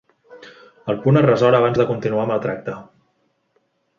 El punt es resol abans de continuar amb el tracte.